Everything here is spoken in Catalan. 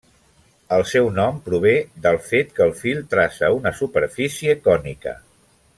El seu nom prové del fet que el fil traça una superfície cònica.